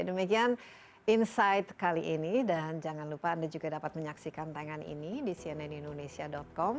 demikian insight kali ini dan jangan lupa anda juga dapat menyaksikan tangan ini di cnnindonesia com